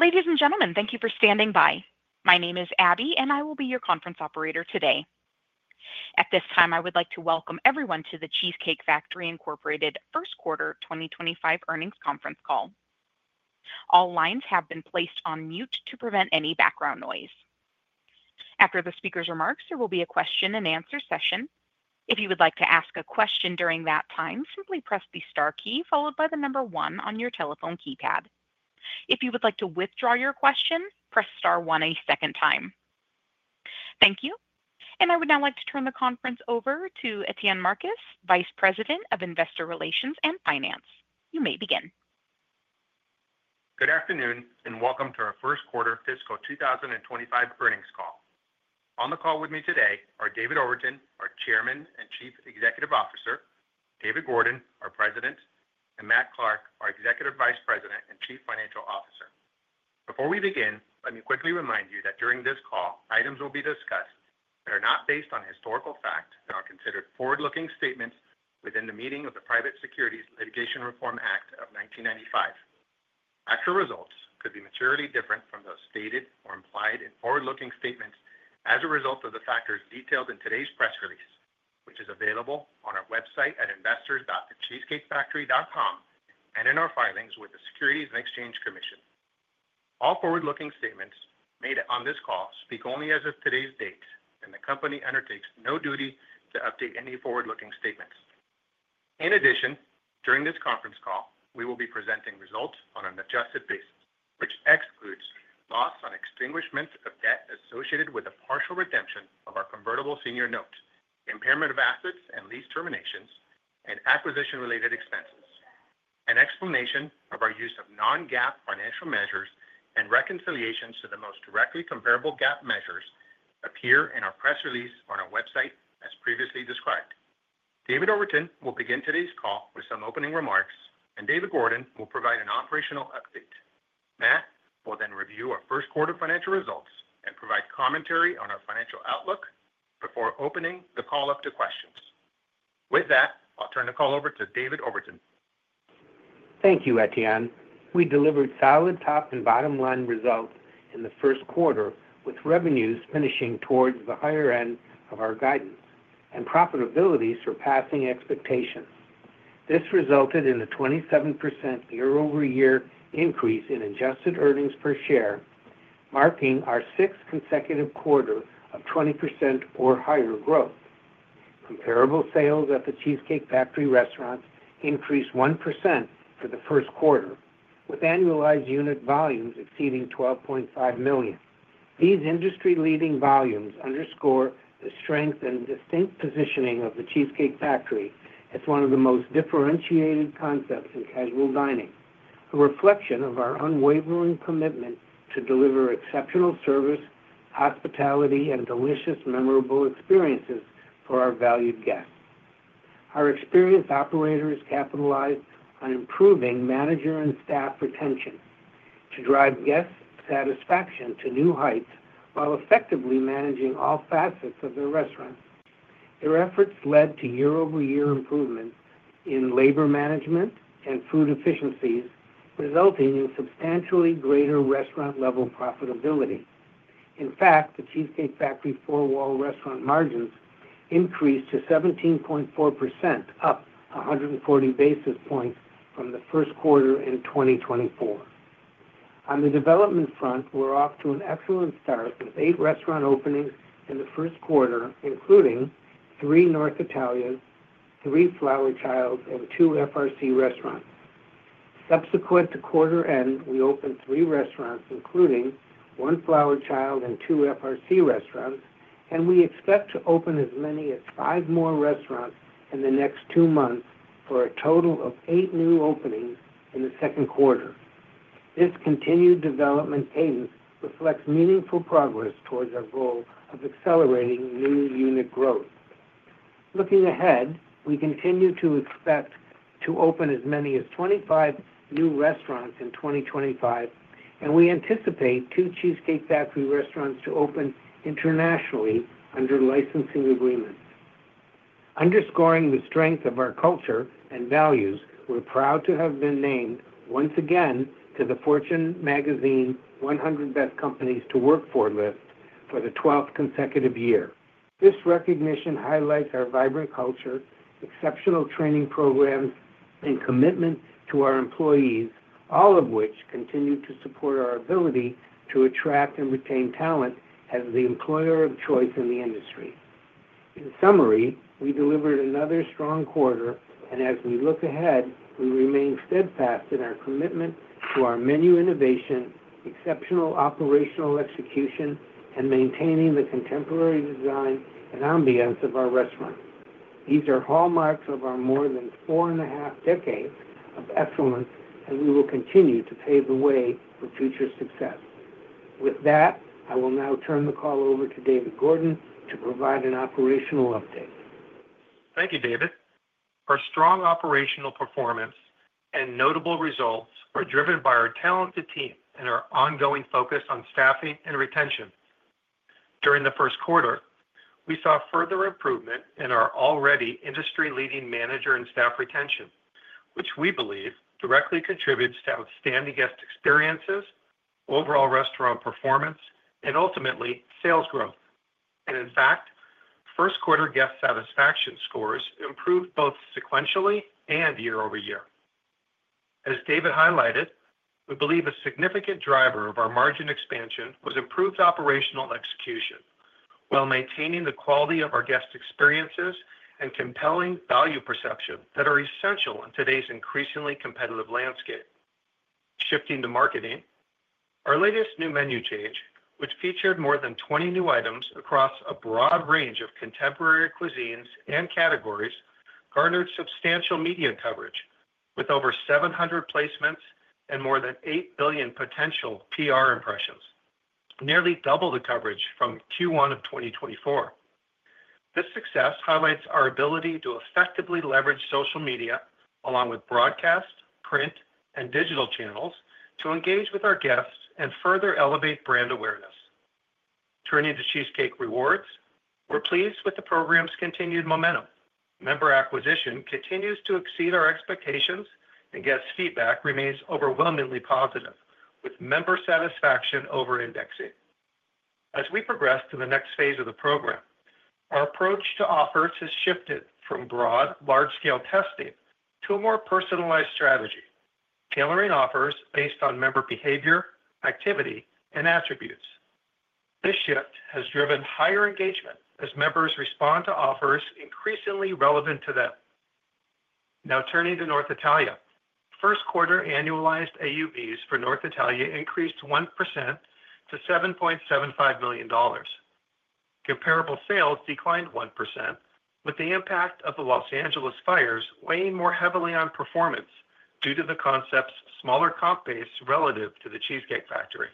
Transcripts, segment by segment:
Ladies and gentlemen, thank you for standing by. My name is Abby, and I will be your conference operator today. At this time, I would like to welcome everyone to The Cheesecake Factory Incorporated Q1 2025 Earnings Conference Call. All lines have been placed on mute to prevent any background noise. After the speaker's remarks, there will be a question-and-answer session. If you would like to ask a question during that time, simply press the star key followed by the number one on your telephone keypad. If you would like to withdraw your question, press star one a second time. Thank you. I would now like to turn the conference over to Etienne Marcus, Vice President of Investor Relations and Finance. You may begin. Good afternoon and welcome to our Q1 Fiscal 2025 Earnings Call. On the call with me today are David Overton, our Chairman and Chief Executive Officer; David Gordon, our President; and Matt Clark, our Executive Vice President and Chief Financial Officer. Before we begin, let me quickly remind you that during this call, items will be discussed that are not based on historical fact and are considered forward-looking statements within the meaning of the Private Securities Litigation Reform Act of 1995. Actual results could be materially different from those stated or implied in forward-looking statements as a result of the factors detailed in today's press release, which is available on our website at investors.cheesecakefactory.com and in our filings with the Securities and Exchange Commission. All forward-looking statements made on this call speak only as of today's date, and the company undertakes no duty to update any forward-looking statements. In addition, during this conference call, we will be presenting results on an adjusted basis, which excludes loss on extinguishment of debt associated with a partial redemption of our convertible senior note, impairment of assets and lease terminations, and acquisition-related expenses. An explanation of our use of non-GAAP financial measures and reconciliations to the most directly comparable GAAP measures appear in our press release on our website as previously described. David Overton will begin today's Call with some opening remarks, and David Gordon will provide an operational update. Matt will then review our Q1 financial results and provide commentary on our financial outlook before opening the call up to questions. With that, I'll turn the call over to David Overton. Thank you, Etienne. We delivered solid top and bottom-line results in the Q1, with revenues finishing towards the higher end of our guidance and profitability surpassing expectations. This resulted in a 27% year-over-year increase in adjusted earnings per share, marking our sixth consecutive quarter of 20% or higher growth. Comparable sales at the Cheesecake Factory restaurants increased 1% for the Q1, with annualized unit volumes exceeding $12.5 million. These industry-leading volumes underscore the strength and distinct positioning of the Cheesecake Factory as one of the most differentiated concepts in casual dining, a reflection of our unwavering commitment to deliver exceptional service, hospitality, and delicious, memorable experiences for our valued guests. Our experienced operators capitalized on improving manager and staff retention to drive guest satisfaction to new heights while effectively managing all facets of their restaurants. Their efforts led to year-over-year improvements in labor management and food efficiencies, resulting in substantially greater restaurant-level profitability. In fact, the Cheesecake Factory four-wall restaurant margins increased to 17.4%, up 140 basis points from the Q1 in 2024. On the development front, we're off to an excellent start with eight restaurant openings in the Q1, including three North Italias, three Flower Childs, and two FRC restaurants. Subsequent to quarter end, we opened three restaurants, including one Flower Child and two FRC restaurants, and we expect to open as many as five more restaurants in the next two months for a total of eight new openings in the Q2. This continued development cadence reflects meaningful progress towards our goal of accelerating new unit growth. Looking ahead, we continue to expect to open as many as 25 new restaurants in 2025, and we anticipate two Cheesecake Factory restaurants to open internationally under licensing agreements. Underscoring the strength of our culture and values, we're proud to have been named once again to the Fortune Magazine 100 Best Companies to Work For list for the 12th consecutive year. This recognition highlights our vibrant culture, exceptional training programs, and commitment to our employees, all of which continue to support our ability to attract and retain talent as the employer of choice in the industry. In summary, we delivered another strong quarter, and as we look ahead, we remain steadfast in our commitment to our menu innovation, exceptional operational execution, and maintaining the contemporary design and ambiance of our restaurants. These are hallmarks of our more than four and a half decades of excellence, and we will continue to pave the way for future success. With that, I will now turn the call over to David Gordon to provide an operational update. Thank you, David. Our strong operational performance and notable results are driven by our talented team and our ongoing focus on staffing and retention. During the Q1, we saw further improvement in our already industry-leading manager and staff retention, which we believe directly contributes to outstanding guest experiences, overall restaurant performance, and ultimately sales growth. In fact, Q1 guest satisfaction scores improved both sequentially and year-over-year. As David highlighted, we believe a significant driver of our margin expansion was improved operational execution while maintaining the quality of our guest experiences and compelling value perception that are essential in today's increasingly competitive landscape. Shifting to marketing, our latest new menu change, which featured more than 20 new items across a broad range of contemporary cuisines and categories, garnered substantial media coverage with over 700 placements and more than 8 billion potential PR impressions, nearly double the coverage from Q1 of 2024. This success highlights our ability to effectively leverage social media along with broadcast, print, and digital channels to engage with our guests and further elevate brand awareness. Turning to Cheesecake Rewards, we're pleased with the program's continued momentum. Member acquisition continues to exceed our expectations, and guest feedback remains overwhelmingly positive, with member satisfaction over-indexing. As we progress to the next phase of the program, our approach to offers has shifted from broad, large-scale testing to a more personalized strategy, tailoring offers based on member behavior, activity, and attributes. This shift has driven higher engagement as members respond to offers increasingly relevant to them. Now turning to North Italia, Q1 annualized AUVs for North Italia increased 1% to $7.75 million. Comparable sales declined 1%, with the impact of the Los Angeles fires weighing more heavily on performance due to the concept's smaller comp base relative to the Cheesecake Factory.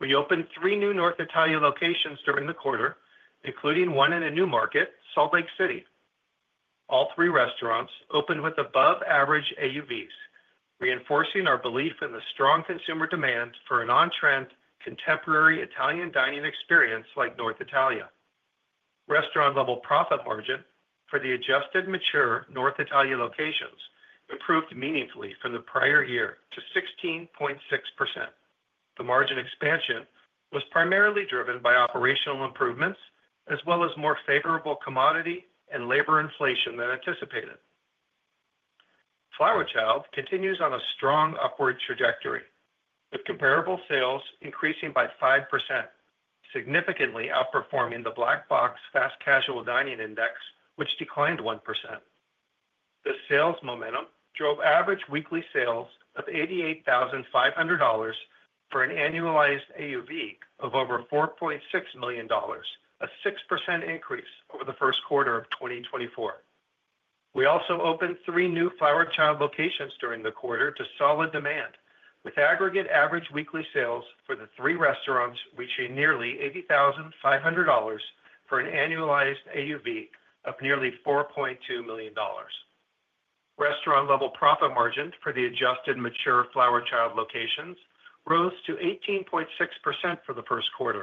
We opened three new North Italia locations during the quarter, including one in a new market, Salt Lake City. All three restaurants opened with above-average AUVs, reinforcing our belief in the strong consumer demand for an on-trend contemporary Italian dining experience like North Italia. Restaurant-level profit margin for the adjusted mature North Italia locations improved meaningfully from the prior year to 16.6%. The margin expansion was primarily driven by operational improvements as well as more favorable commodity and labor inflation than anticipated. Flower Child continues on a strong upward trajectory, with comparable sales increasing by 5%, significantly outperforming the Black Box Fast Casual Dining Index, which declined 1%. The sales momentum drove average weekly sales of $88,500 for an annualized AUV of over $4.6 million, a 6% increase over the Q1 of 2024. We also opened three new Flower Child locations during the quarter to solid demand, with aggregate average weekly sales for the three restaurants reaching nearly $80,500 for an annualized AUV of nearly $4.2 million. Restaurant-level profit margin for the adjusted mature Flower Child locations rose to 18.6% for the Q1,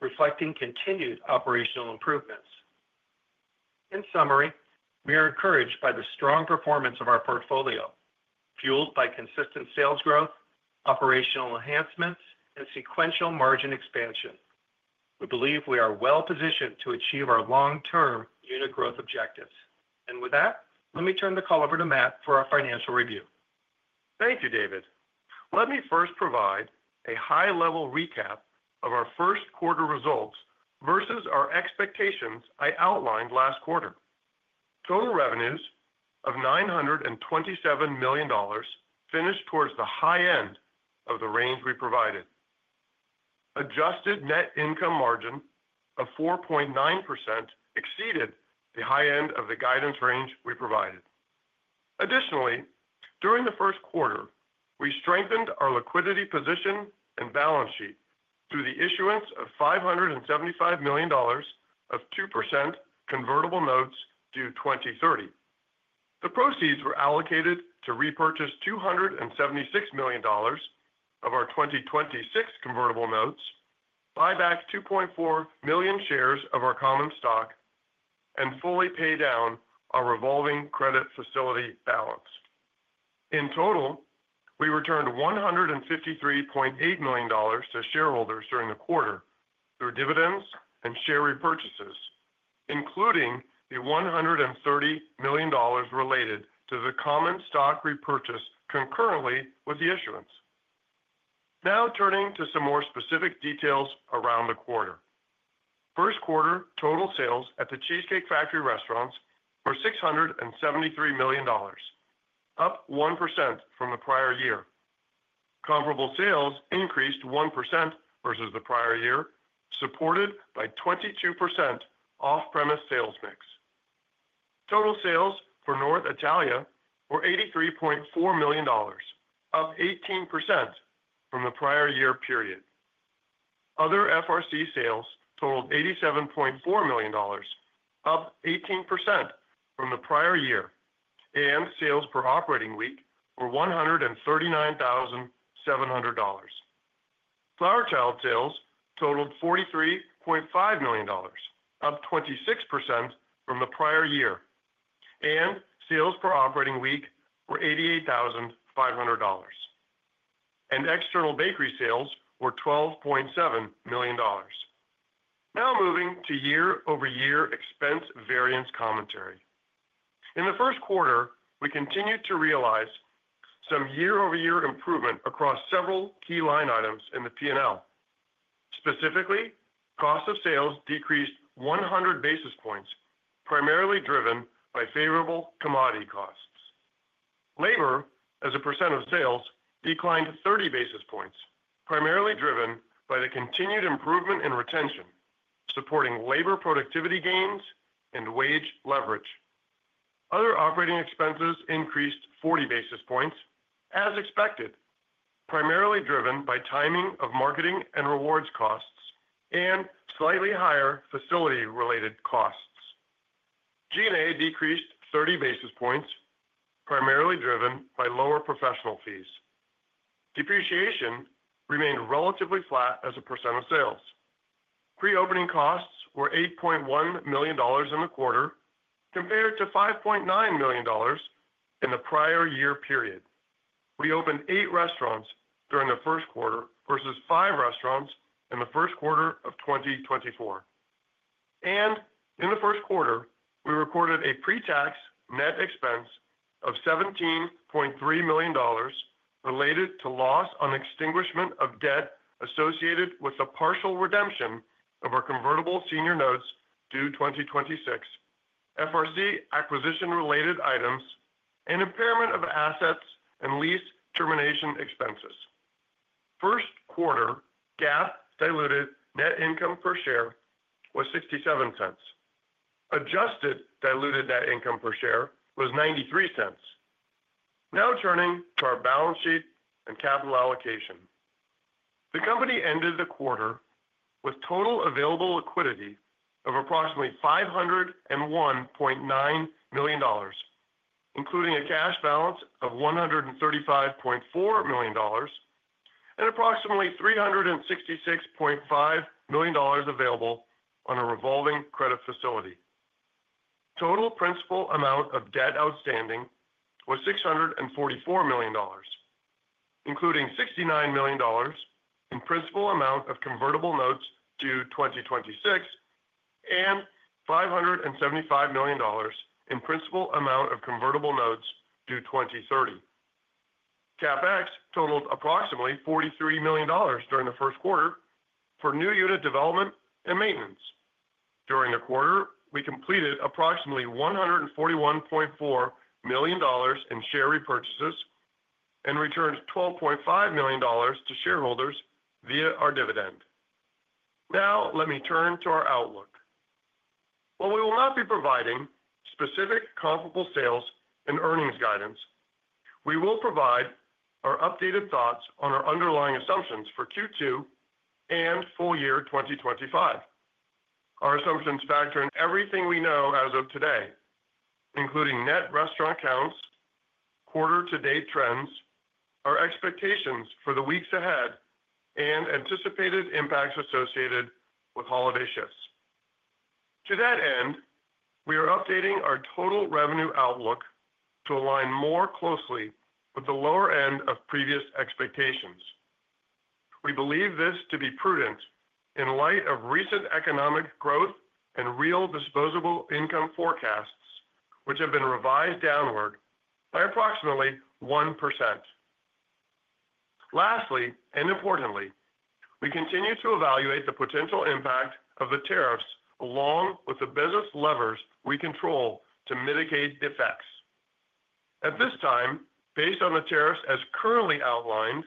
reflecting continued operational improvements. In summary, we are encouraged by the strong performance of our portfolio, fueled by consistent sales growth, operational enhancements, and sequential margin expansion. We believe we are well-positioned to achieve our long-term unit growth objectives. With that, let me turn the call over to Matt for our financial review. Thank you, David. Let me first provide a high-level recap of our Q1 results versus our expectations I outlined last quarter. Total revenues of $927 million finished towards the high end of the range we provided. Adjusted net income margin of 4.9% exceeded the high end of the guidance range we provided. Additionally, during the Q1, we strengthened our liquidity position and balance sheet through the issuance of $575 million of 2% convertible notes due 2030. The proceeds were allocated to repurchase $276 million of our 2026 convertible notes, buy back 2.4 million shares of our common stock, and fully pay down our revolving credit facility balance. In total, we returned $153.8 million to shareholders during the quarter through dividends and share repurchases, including the $130 million related to the common stock repurchase concurrently with the issuance. Now turning to some more specific details around the quarter. Q1 total sales at The Cheesecake Factory restaurants were $673 million, up 1% from the prior year. Comparable sales increased 1% versus the prior year, supported by 22% off-premise sales mix. Total sales for North Italia were $83.4 million, up 18% from the prior year period. Other FRC sales totaled $87.4 million, up 18% from the prior year, and sales per operating week were $139,700. Flower Child sales totaled $43.5 million, up 26% from the prior year, and sales per operating week were $88,500. External bakery sales were $12.7 million. Now moving to year-over-year expense variance commentary. In the Q1, we continued to realize some year-over-year improvement across several key line items in the P&L. Specifically, cost of sales decreased 100 basis points, primarily driven by favorable commodity costs. Labor as a percent of sales declined 30 basis points, primarily driven by the continued improvement in retention, supporting labor productivity gains and wage leverage. Other operating expenses increased 40 basis points, as expected, primarily driven by timing of marketing and rewards costs and slightly higher facility-related costs. G&A decreased 30 basis points, primarily driven by lower professional fees. Depreciation remained relatively flat as a percent of sales. Pre-opening costs were $8.1 million in the quarter, compared to $5.9 million in the prior year period. We opened eight restaurants during the Q1 versus five restaurants in the Q1 of 2024. In the Q1, we recorded a pre-tax net expense of $17.3 million related to loss on extinguishment of debt associated with the partial redemption of our convertible senior notes due 2026, FRC acquisition-related items, and impairment of assets and lease termination expenses. Q1 GAAP diluted net income per share was $0.67. Adjusted diluted net income per share was $0.93. Now turning to our balance sheet and capital allocation. The company ended the quarter with total available liquidity of approximately $501.9 million, including a cash balance of $135.4 million and approximately $366.5 million available on a revolving credit facility. Total principal amount of debt outstanding was $644 million, including $69 million in principal amount of convertible notes due 2026 and $575 million in principal amount of convertible notes due 2030. CapEx totaled approximately $43 million during the Q1 for new unit development and maintenance. During the quarter, we completed approximately $141.4 million in share repurchases and returned $12.5 million to shareholders via our dividend. Now let me turn to our outlook. While we will not be providing specific comparable sales and earnings guidance, we will provide our updated thoughts on our underlying assumptions for Q2 and full year 2025. Our assumptions factor in everything we know as of today, including net restaurant counts, quarter-to-date trends, our expectations for the weeks ahead, and anticipated impacts associated with holiday shifts. To that end, we are updating our total revenue outlook to align more closely with the lower end of previous expectations. We believe this to be prudent in light of recent economic growth and real disposable income forecasts, which have been revised downward by approximately 1%. Lastly, and importantly, we continue to evaluate the potential impact of the tariffs along with the business levers we control to mitigate defects. At this time, based on the tariffs as currently outlined,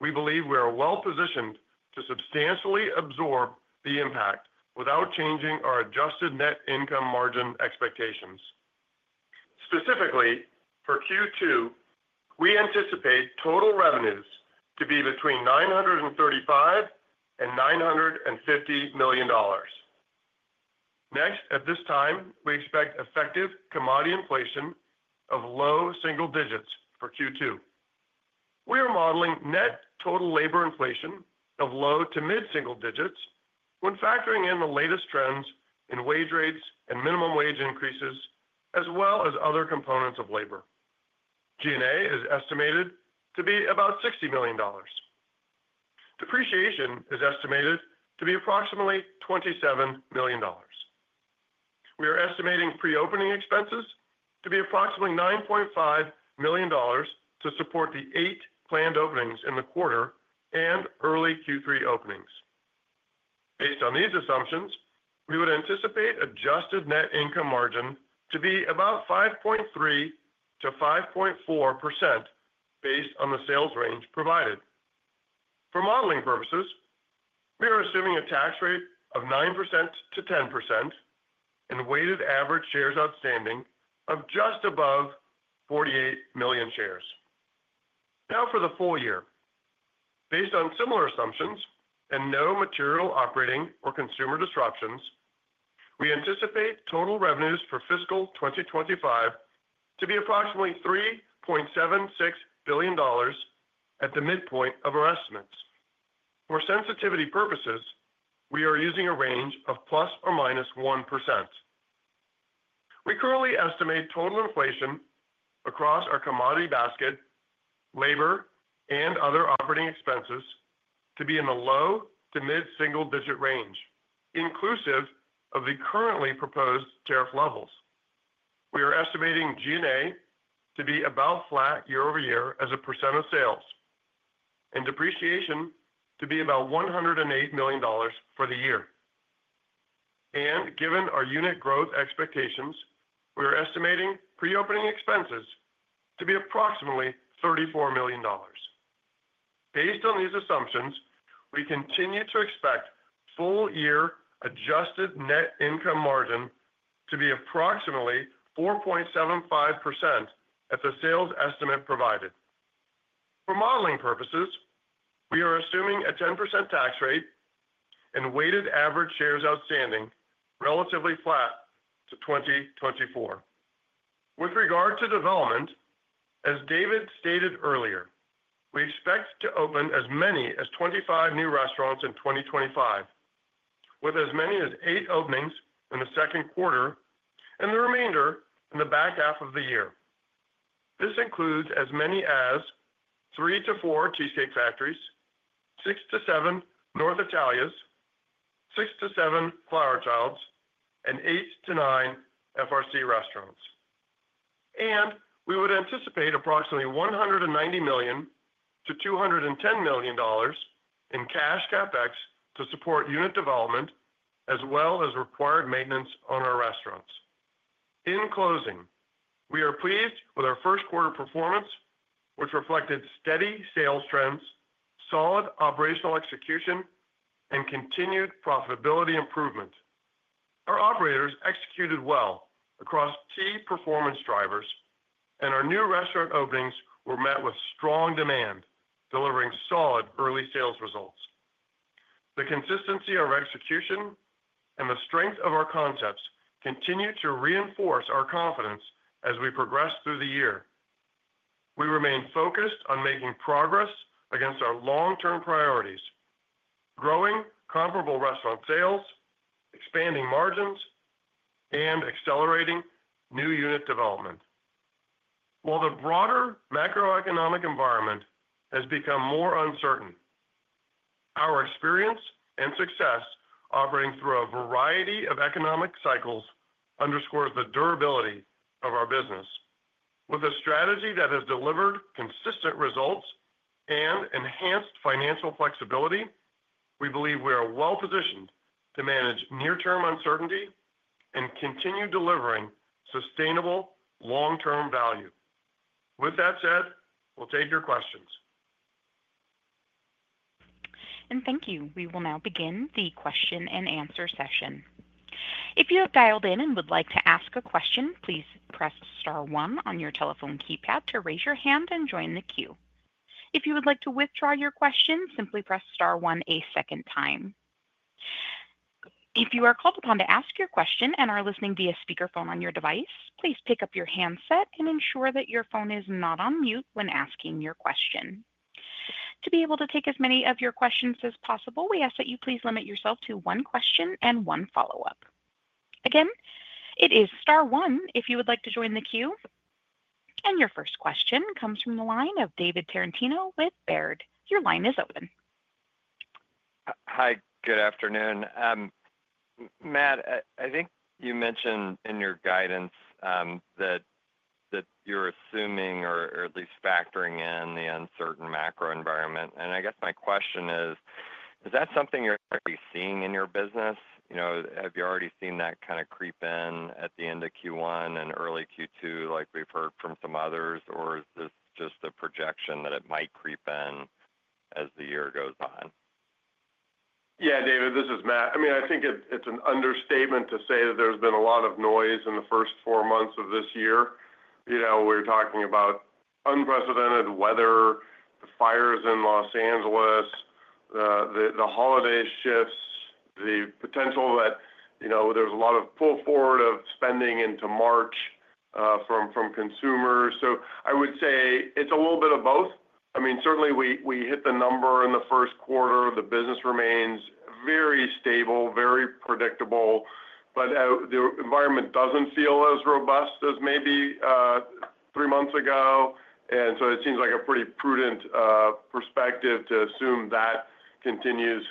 we believe we are well-positioned to substantially absorb the impact without changing our adjusted net income margin expectations. Specifically, for Q2, we anticipate total revenues to be between $935 million and $950 million. Next, at this time, we expect effective commodity inflation of low single digits for Q2. We are modeling net total labor inflation of low to mid-single digits when factoring in the latest trends in wage rates and minimum wage increases, as well as other components of labor. G&A is estimated to be about $60 million. Depreciation is estimated to be approximately $27 million. We are estimating pre-opening expenses to be approximately $9.5 million to support the eight planned openings in the quarter and early Q3 openings. Based on these assumptions, we would anticipate adjusted net income margin to be about 5.3% to 5.4% based on the sales range provided. For modeling purposes, we are assuming a tax rate of 9% to 10% and weighted average shares outstanding of just above 48 million shares. Now for the full year. Based on similar assumptions and no material operating or consumer disruptions, we anticipate total revenues for fiscal 2025 to be approximately $3.76 billion at the midpoint of our estimates. For sensitivity purposes, we are using a range of plus or minus 1%. We currently estimate total inflation across our commodity basket, labor, and other operating expenses to be in the low to mid-single digit range, inclusive of the currently proposed tariff levels. We are estimating G&A to be about flat year over year as a percent of sales and depreciation to be about $108 million for the year. Given our unit growth expectations, we are estimating pre-opening expenses to be approximately $34 million. Based on these assumptions, we continue to expect full year adjusted net income margin to be approximately 4.75% at the sales estimate provided. For modeling purposes, we are assuming a 10% tax rate and weighted average shares outstanding relatively flat to 2024. With regard to development, as David stated earlier, we expect to open as many as 25 new restaurants in 2025, with as many as eight openings in the Q2 and the remainder in the back half of the year. This includes as many as three to four Cheesecake Factory restaurants, six to seven North Italia restaurants, six to seven Flower Child restaurants, and eight to nine FRC restaurants. We would anticipate approximately $190 to $210 million in cash CapEx to support unit development as well as required maintenance on our restaurants. In closing, we are pleased with our Q1 performance, which reflected steady sales trends, solid operational execution, and continued profitability improvement. Our operators executed well across key performance drivers, and our new restaurant openings were met with strong demand, delivering solid early sales results. The consistency of our execution and the strength of our concepts continue to reinforce our confidence as we progress through the year. We remain focused on making progress against our long-term priorities: growing comparable restaurant sales, expanding margins, and accelerating new unit development. While the broader macroeconomic environment has become more uncertain, our experience and success operating through a variety of economic cycles underscores the durability of our business. With a strategy that has delivered consistent results and enhanced financial flexibility, we believe we are well-positioned to manage near-term uncertainty and continue delivering sustainable long-term value. With that said, we'll take your questions. Thank you. We will now begin the question and answer session. If you have dialed in and would like to ask a question, please press star one on your telephone keypad to raise your hand and join the queue. If you would like to withdraw your question, simply press star one a second time. If you are called upon to ask your question and are listening via speakerphone on your device, please pick up your handset and ensure that your phone is not on mute when asking your question. To be able to take as many of your questions as possible, we ask that you please limit yourself to one question and one follow-up. Again, it is star one if you would like to join the queue. Your first question comes from the line of David Tarantino with Baird. Your line is open. Hi, good afternoon. Matt, I think you mentioned in your guidance that you're assuming or at least factoring in the uncertain macro environment. I guess my question is, is that something you're already seeing in your business? Have you already seen that kind of creep in at the end of Q1 and early Q2 like we've heard from some others, or is this just a projection that it might creep in as the year goes on? Yeah, David, this is Matt. I mean, I think it's an understatement to say that there's been a lot of noise in the first four months of this year. We're talking about unprecedented weather, the fires in Los Angeles, the holiday shifts, the potential that there's a lot of pull forward of spending into March from consumers. I would say it's a little bit of both. I mean, certainly we hit the number in the Q1. The business remains very stable, very predictable, but the environment doesn't feel as robust as maybe three months ago. It seems like a pretty prudent perspective to assume that continues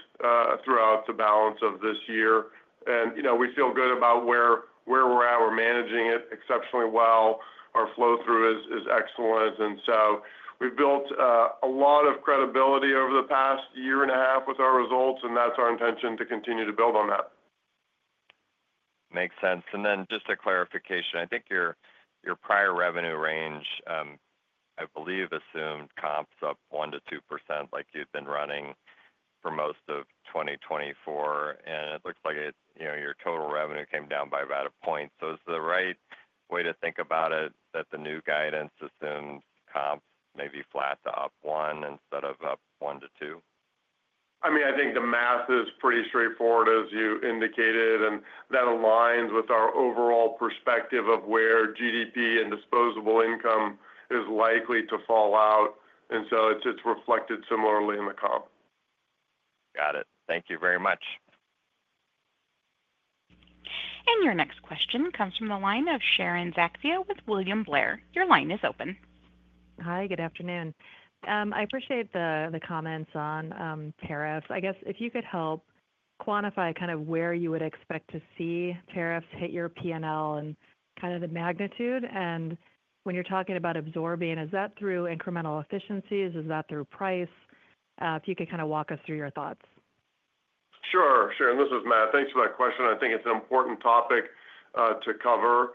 throughout the balance of this year. We feel good about where we're at. We're managing it exceptionally well. Our flow through is excellent. We have built a lot of credibility over the past year and a half with our results, and that is our intention to continue to build on that. Makes sense. Just a clarification, I think your prior revenue range, I believe, assumed comps up 1 to 2% like you've been running for most of 2024. It looks like your total revenue came down by about a point. Is the right way to think about it that the new guidance assumes comps may be flat to up 1% instead of up 1 to 2%? I mean, I think the math is pretty straightforward, as you indicated, and that aligns with our overall perspective of where GDP and disposable income is likely to fall out. It is reflected similarly in the comp. Got it. Thank you very much. Your next question comes from the line of Sharon Zackfia with William Blair. Your line is open. Hi, good afternoon. I appreciate the comments on tariffs. I guess if you could help quantify kind of where you would expect to see tariffs hit your P&L and kind of the magnitude. When you're talking about absorbing, is that through incremental efficiencies? Is that through price? If you could kind of walk us through your thoughts. Sure, sure. This is Matt. Thanks for that question. I think it's an important topic to cover.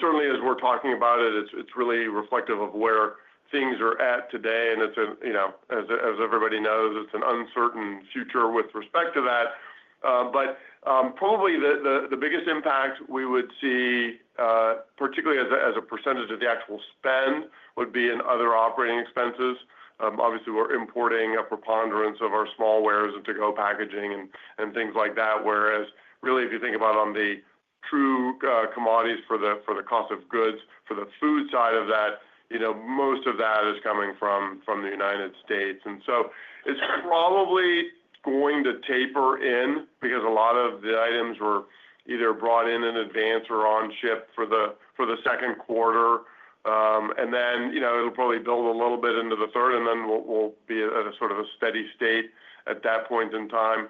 Certainly, as we're talking about it, it's really reflective of where things are at today. As everybody knows, it's an uncertain future with respect to that. Probably the biggest impact we would see, particularly as a percentage of the actual spend, would be in other operating expenses. Obviously, we're importing a preponderance of our small wares and to-go packaging and things like that. Whereas really, if you think about it on the true commodities for the cost of goods, for the food side of that, most of that is coming from the United States. It's probably going to taper in because a lot of the items were either brought in in advance or on ship for the Q2. It'll probably build a little bit into the third, and then we'll be at a sort of a steady state at that point in time.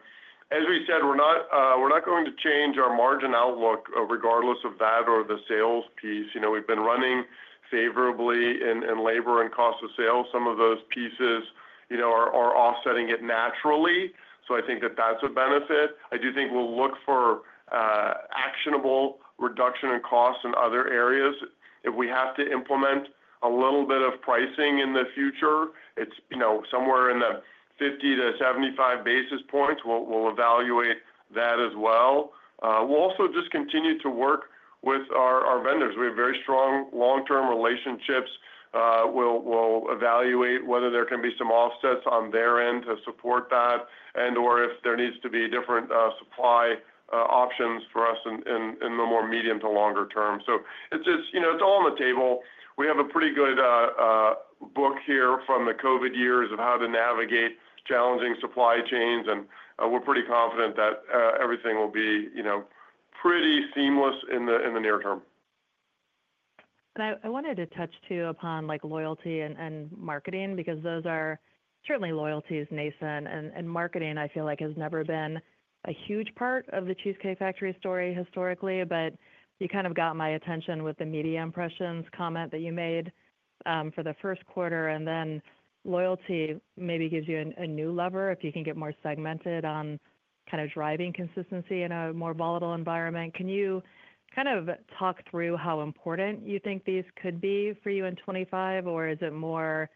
As we said, we're not going to change our margin outlook regardless of that or the sales piece. We've been running favorably in labor and cost of sales. Some of those pieces are offsetting it naturally. I think that that's a benefit. I do think we'll look for actionable reduction in costs in other areas. If we have to implement a little bit of pricing in the future, it's somewhere in the 50-75 basis points. We'll evaluate that as well. We'll also just continue to work with our vendors. We have very strong long-term relationships. We'll evaluate whether there can be some offsets on their end to support that and/or if there needs to be different supply options for us in the more medium to longer term. It is all on the table. We have a pretty good book here from the COVID years of how to navigate challenging supply chains. We are pretty confident that everything will be pretty seamless in the near term. I wanted to touch too upon loyalty and marketing because those are certainly loyalties is nascent. Marketing, I feel like, has never been a huge part of the Cheesecake Factory story historically. You kind of got my attention with the media impressions comment that you made for the Q1. Loyalty maybe gives you a new lever if you can get more segmented on kind of driving consistency in a more volatile environment. Can you kind of talk through how important you think these could be for you in 2025, or is it more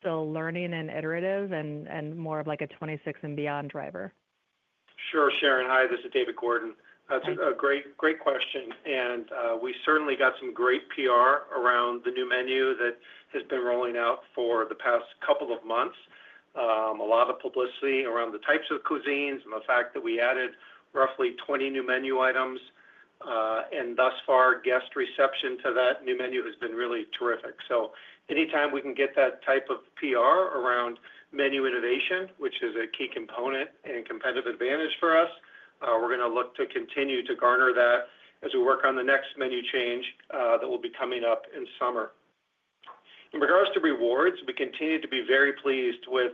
still learning and iterative and more of like a 2026 and beyond driver? Sure, Sharon. Hi, this is David Gordon. That's a great question. We certainly got some great PR around the new menu that has been rolling out for the past couple of months. A lot of publicity around the types of cuisines and the fact that we added roughly 20 new menu items. Thus far, guest reception to that new menu has been really terrific. Anytime we can get that type of PR around menu innovation, which is a key component and competitive advantage for us, we're going to look to continue to garner that as we work on the next menu change that will be coming up in summer. In regards to rewards, we continue to be very pleased with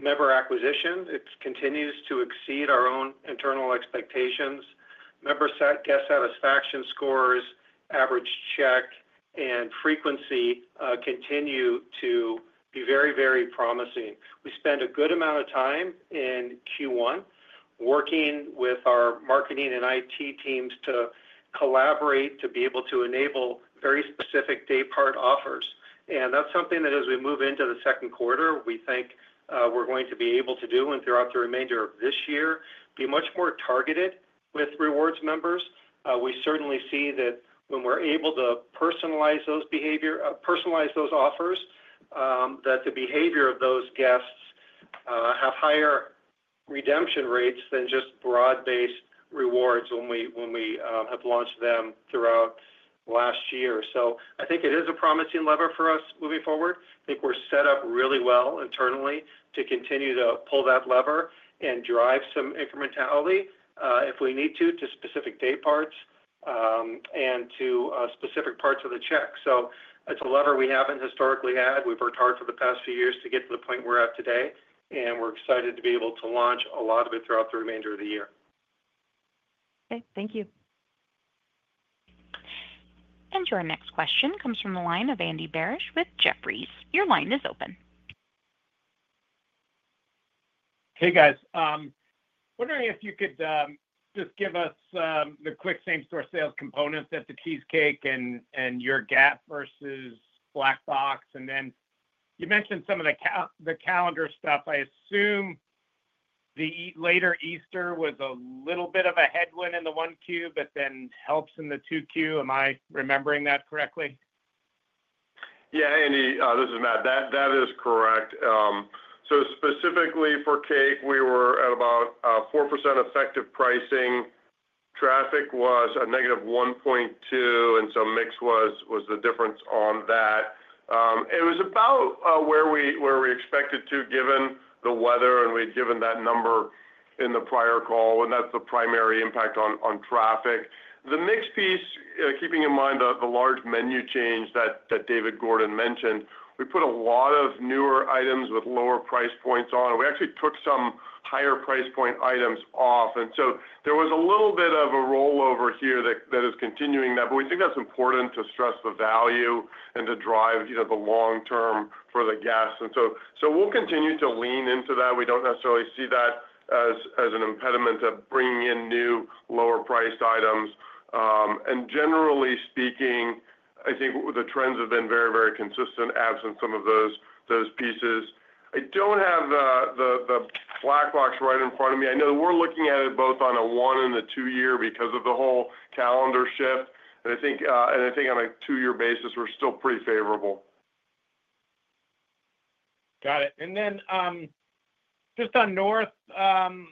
member acquisition. It continues to exceed our own internal expectations. Member guest satisfaction scores, average check, and frequency continue to be very, very promising. We spend a good amount of time in Q1 working with our marketing and IT teams to collaborate to be able to enable very specific daypart offers. That is something that as we move into the Q2, we think we're going to be able to do and throughout the remainder of this year, be much more targeted with rewards members. We certainly see that when we're able to personalize those offers, that the behavior of those guests have higher redemption rates than just broad-based rewards when we have launched them throughout last year. I think it is a promising lever for us moving forward. I think we're set up really well internally to continue to pull that lever and drive some incrementality if we need to to specific dayparts and to specific parts of the check. It is a lever we haven't historically had. We've worked hard for the past few years to get to the point we're at today. We are excited to be able to launch a lot of it throughout the remainder of the year. Okay, thank you. Your next question comes from the line of Andy Barish with Jefferies. Your line is open. Hey, guys. Wondering if you could just give us the quick same-store sales components at the Cheesecake and your gap versus Black Box. You mentioned some of the calendar stuff. I assume the later Easter was a little bit of a headwind in the Q1, but then helps in the two queue. Am I remembering that correctly? Yeah, Andy, this is Matt. That is correct. Specifically for Cake, we were at about 4% effective pricing. Traffic was a negative 1.2%, and mix was the difference on that. It was about where we expected to given the weather, and we had given that number in the prior call. That is the primary impact on traffic. The mix piece, keeping in mind the large menu change that David Gordon mentioned, we put a lot of newer items with lower price points on. We actually took some higher price point items off. There was a little bit of a rollover here that is continuing that. We think that is important to stress the value and to drive the long term for the guests. We will continue to lean into that. We do not necessarily see that as an impediment to bringing in new lower-priced items. Generally speaking, I think the trends have been very, very consistent absent some of those pieces. I do not have the Black Box right in front of me. I know we are looking at it both on a one and a two year because of the whole calendar shift. I think on a two-year basis, we are still pretty favorable. Got it. Just on North, I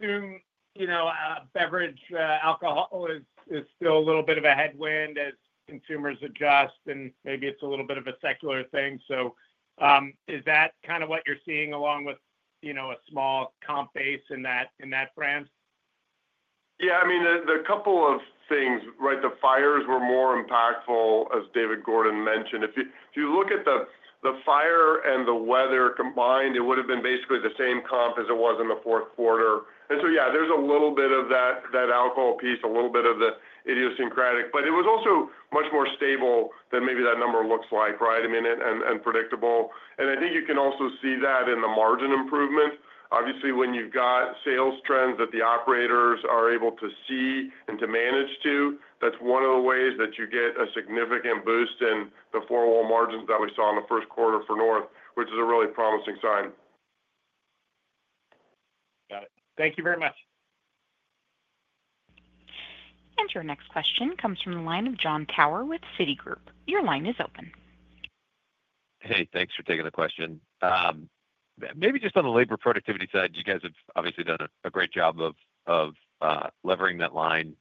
assume beverage alcohol is still a little bit of a headwind as consumers adjust, and maybe it is a little bit of a secular thing. Is that kind of what you are seeing along with a small comp base in that brand? Yeah, I mean, the couple of things, right? The fires were more impactful, as David Gordon mentioned. If you look at the fire and the weather combined, it would have been basically the same comp as it was in the fourth quarter. Yeah, there's a little bit of that alcohol piece, a little bit of the idiosyncratic. It was also much more stable than maybe that number looks like, right? I mean, and predictable. I think you can also see that in the margin improvement. Obviously, when you've got sales trends that the operators are able to see and to manage to, that's one of the ways that you get a significant boost in the four-wall margins that we saw in the Q1 for North, which is a really promising sign. Got it. Thank you very much. Your next question comes from the line of Jon Tower with Citigroup. Your line is open. Hey, thanks for taking the question. Maybe just on the labor productivity side, you guys have obviously done a great job of levering that line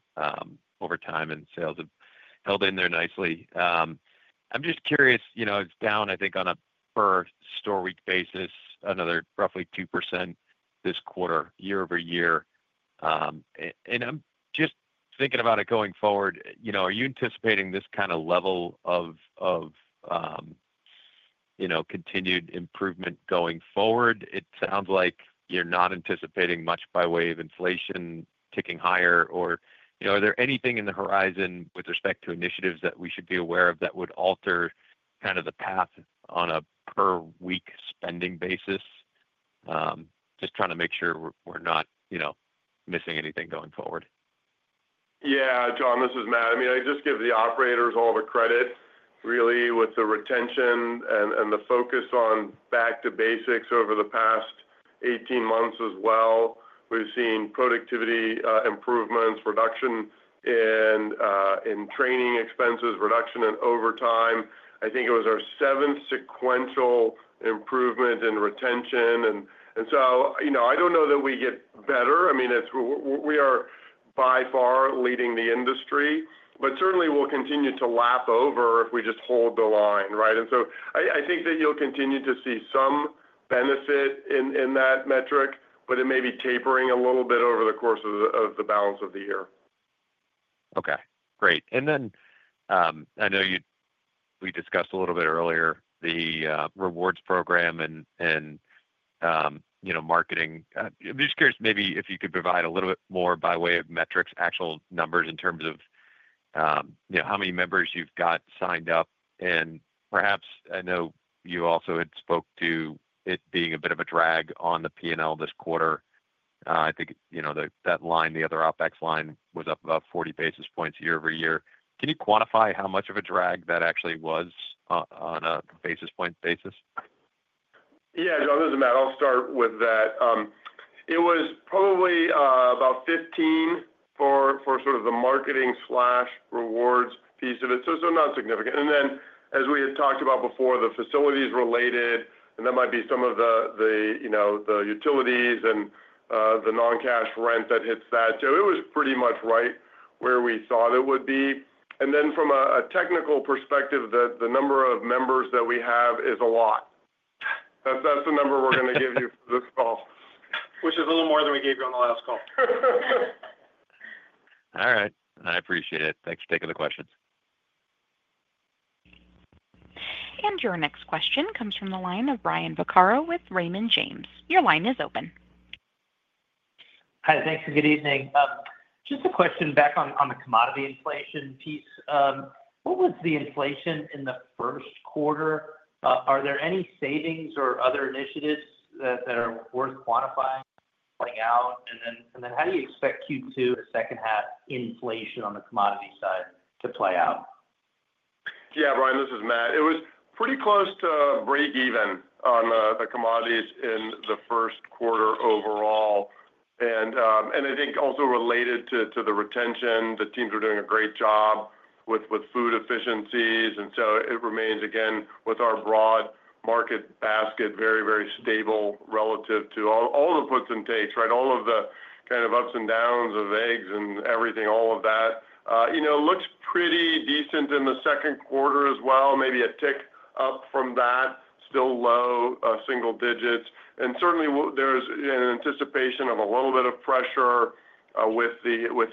over time, and sales have held in there nicely. I'm just curious, it's down, I think, on a per-store week basis, another roughly 2% this quarter, year over year. I'm just thinking about it going forward. Are you anticipating this kind of level of continued improvement going forward? It sounds like you're not anticipating much by way of inflation ticking higher. Are there anything in the horizon with respect to initiatives that we should be aware of that would alter kind of the path on a per-week spending basis? Just trying to make sure we're not missing anything going forward. Yeah, Jon, this is Matt. I mean, I just give the operators all the credit, really, with the retention and the focus on back to basics over the past 18 months as well. We've seen productivity improvements, reduction in training expenses, reduction in overtime. I think it was our seventh sequential improvement in retention. I don't know that we get better. I mean, we are by far leading the industry, but certainly we'll continue to lap over if we just hold the line, right? I think that you'll continue to see some benefit in that metric, but it may be tapering a little bit over the course of the balance of the year. Okay, great. I know we discussed a little bit earlier the rewards program and marketing. I'm just curious maybe if you could provide a little bit more by way of metrics, actual numbers in terms of how many members you've got signed up. Perhaps I know you also had spoke to it being a bit of a drag on the P&L this quarter. I think that line, the other OpEx line, was up about 40 basis points year over year. Can you quantify how much of a drag that actually was on a basis point basis? Yeah, Jon, this is Matt. I'll start with that. It was probably about $15 million for sort of the marketing/rewards piece of it. It's not significant. As we had talked about before, the facilities related, and that might be some of the utilities and the non-cash rent that hits that. It was pretty much right where we thought it would be. From a technical perspective, the number of members that we have is a lot. That's the number we're going to give you for this call. Which is a little more than we gave you on the last call. All right. I appreciate it. Thanks for taking the questions. Your next question comes from the line of Brian Vaccaro with Raymond James. Your line is open. Hi, thanks. Good evening. Just a question back on the commodity inflation piece. What was the inflation in the Q1? Are there any savings or other initiatives that are worth quantifying? Playing out? How do you expect Q2, the second half inflation on the commodity side to play out? Yeah, Brian, this is Matt. It was pretty close to break even on the commodities in the Q1 overall. I think also related to the retention; the teams are doing a great job with food efficiencies. It remains, again, with our broad market basket, very, very stable relative to all the puts and takes, right? All of the kind of ups and downs of eggs and everything, all of that. It looks pretty decent in the Q2 as well, maybe a tick up from that, still low single digits. Certainly, there's an anticipation of a little bit of pressure with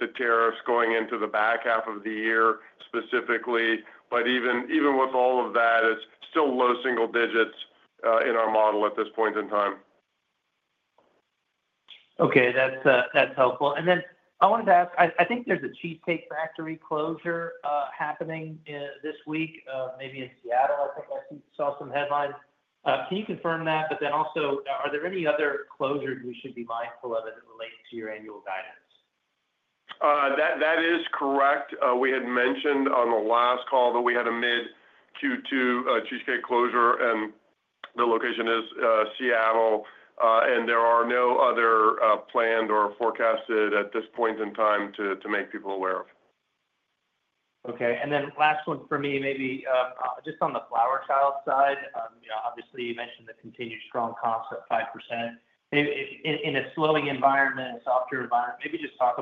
the tariffs going into the back half of the year specifically. Even with all of that, it's still low single digits in our model at this point in time. Okay, that's helpful. I wanted to ask, I think there's a Cheesecake Factory closure happening this week, maybe in Seattle. I think I saw some headlines. Can you confirm that? Also, are there any other closures we should be mindful of as it relates to your annual guidance? That is correct. We had mentioned on the last call that we had a mid-Q2 Cheesecake closure, and the location is Seattle. There are no other planned or forecasted at this point in time to make people aware of. Okay. Last one for me, maybe just on the Flower Child side. Obviously, you mentioned the continued strong costs at 5%. In a slowing environment, a softer environment, maybe just talk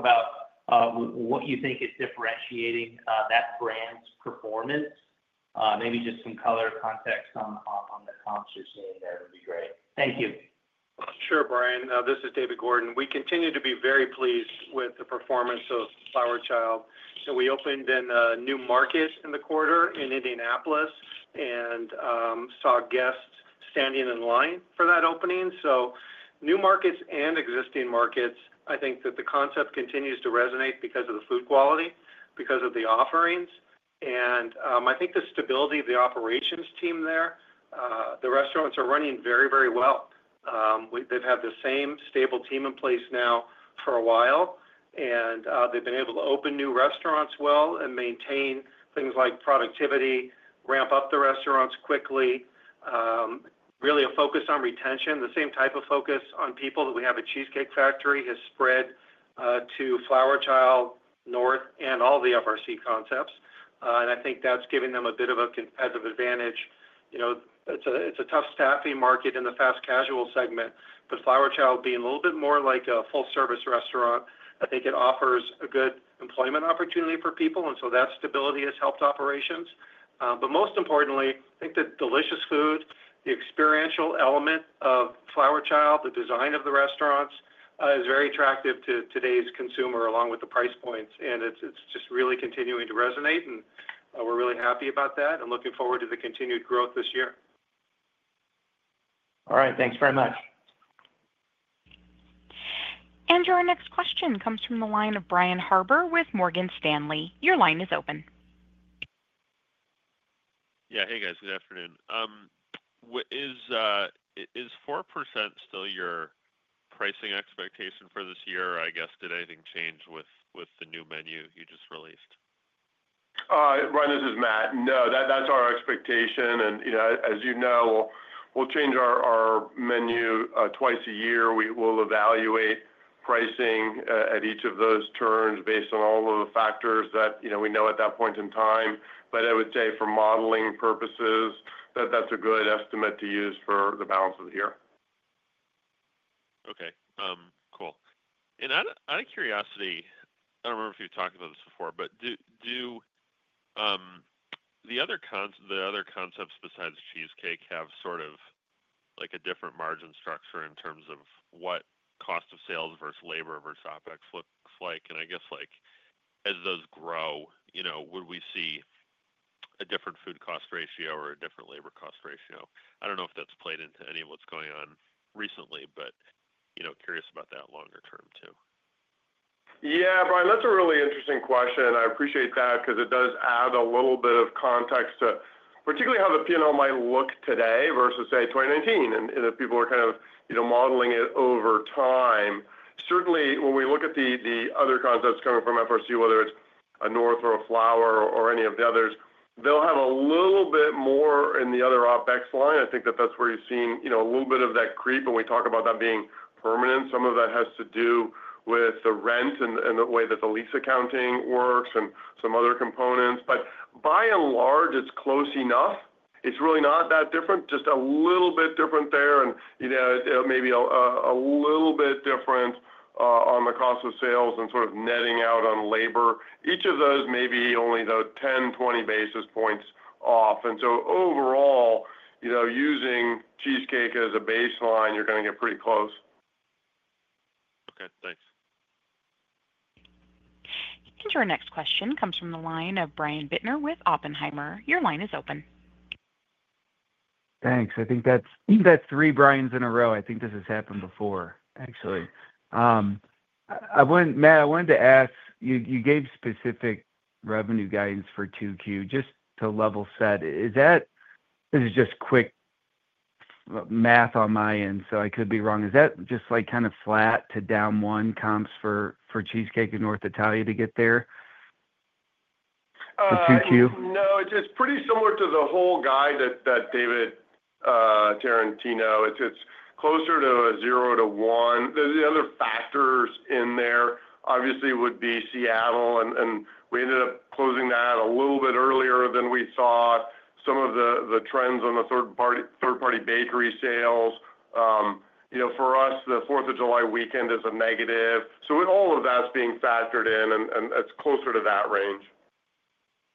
about what you think is differentiating that brand's performance. Maybe just some color context on the comps you're seeing there would be great. Thank you. Sure, Brian. This is David Gordon. We continue to be very pleased with the performance of Flower Child. We opened in a new market in the quarter in Indianapolis and saw guests standing in line for that opening. New markets and existing markets, I think that the concept continues to resonate because of the food quality, because of the offerings. I think the stability of the operations team there, the restaurants are running very, very well. They've had the same stable team in place now for a while. They've been able to open new restaurants well and maintain things like productivity, ramp up the restaurants quickly, really a focus on retention. The same type of focus on people that we have at Cheesecake Factory has spread to Flower Child, North, and all the FRC concepts. I think that's giving them a bit of a competitive advantage. It's a tough staffing market in the fast casual segment, but Flower Child being a little bit more like a full-service restaurant, I think it offers a good employment opportunity for people. That stability has helped operations. Most importantly, I think the delicious food, the experiential element of Flower Child, the design of the restaurants is very attractive to today's consumer along with the price points. It's just really continuing to resonate. We're really happy about that and looking forward to the continued growth this year. All right, thanks very much. Your next question comes from the line of Brian Harbour with Morgan Stanley. Your line is open. Yeah, hey guys, good afternoon. Is 4% still your pricing expectation for this year? I guess did anything change with the new menu you just released? Brian, this is Matt. No, that's our expectation. As you know, we'll change our menu twice a year. We'll evaluate pricing at each of those turns based on all of the factors that we know at that point in time. I would say for modeling purposes, that's a good estimate to use for the balance of the year. Okay, cool. Out of curiosity, I don't remember if you've talked about this before, but do the other concepts besides Cheesecake have sort of a different margin structure in terms of what cost of sales versus labor versus OpEx looks like? I guess as those grow, would we see a different food cost ratio or a different labor cost ratio? I don't know if that's played into any of what's going on recently, but curious about that longer term too. Yeah, Brian, that's a really interesting question. I appreciate that because it does add a little bit of context to particularly how the P&L might look today versus, say, 2019. If people are kind of modeling it over time, certainly when we look at the other concepts coming from FRC, whether it's a North or a Flower or any of the others, they'll have a little bit more in the other OpEx line. I think that that's where you've seen a little bit of that creep. We talk about that being permanent. Some of that has to do with the rent and the way that the lease accounting works and some other components. By and large, it's close enough. It's really not that different, just a little bit different there and maybe a little bit different on the cost of sales and sort of netting out on labor. Each of those may be only the 10-20 basis points off. And so overall, using Cheesecake as a baseline, you're going to get pretty close. Okay, thanks. Your next question comes from the line of Brian Bittner with Oppenheimer. Your line is open. Thanks. I think that's three Brians in a row. I think this has happened before, actually. Matt, I wanted to ask, you gave specific revenue guidance for Q2 just to level set. This is just quick math on my end, so I could be wrong. Is that just kind of flat to down 1% comps for Cheesecake and North Italia to get there for Q2? No, it's pretty similar to the whole guide that David Tarantino. It's closer to a zero to one. The other factors in there obviously would be Seattle. We ended up closing that a little bit earlier than we saw some of the trends on the third-party bakery sales. For us, the 4th of July weekend is a negative. With all of that being factored in, it's closer to that range.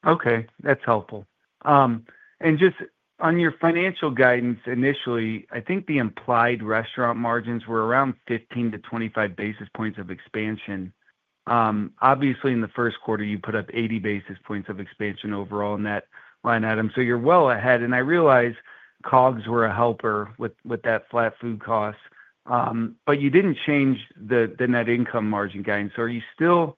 Okay, that's helpful. Just on your financial guidance initially, I think the implied restaurant margins were around 15-25 basis points of expansion. Obviously, in the Q1, you put up 80 basis points of expansion overall in that line item. You are well ahead. I realize COGS were a helper with that flat food cost. You did not change the net income margin guidance. Are you still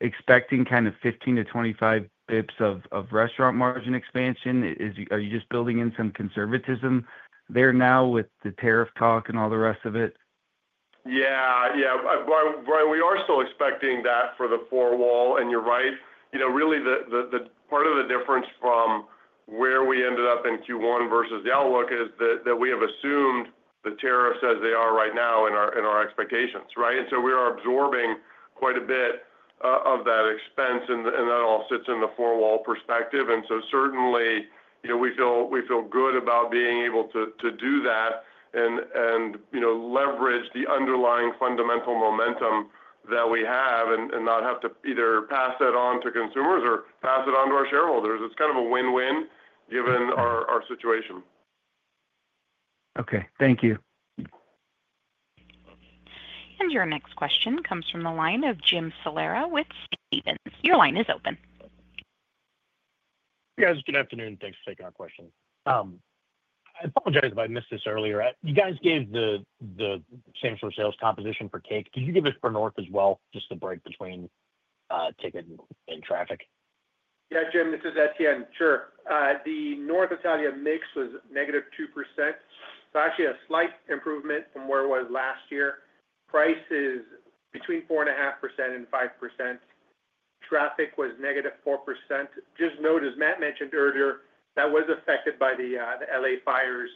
expecting kind of 15-25 basis points of restaurant margin expansion? Are you just building in some conservatism there now with the tariff talk and all the rest of it? Yeah, yeah. Brian, we are still expecting that for the four-wall. You're right. Really, part of the difference from where we ended up in Q1 versus the outlook is that we have assumed the tariffs as they are right now in our expectations, right? We are absorbing quite a bit of that expense. That all sits in the four-wall perspective. Certainly, we feel good about being able to do that and leverage the underlying fundamental momentum that we have and not have to either pass that on to consumers or pass it on to our shareholders. It's kind of a win-win given our situation. Okay, thank you. Your next question comes from the line of Jim Salera with Stephens. Your line is open. Hey, guys. Good afternoon. Thanks for taking our questions. I apologize if I missed this earlier. You guys gave the same sort of sales composition for cake. Could you give it for North as well, just the break between ticket and traffic? Yeah, Jim, this is Etienne. Sure. The North Italia mix was -2%. So actually, a slight improvement from where it was last year. Price is between 4.5% and 5%. Traffic was negative 4%. Just note, as Matt mentioned earlier, that was affected by the LA fires.